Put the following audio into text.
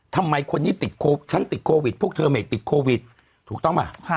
ทำไมคนนี้ติดฉันติดโควิดพวกเธอไม่ติดโควิดถูกต้องป่ะ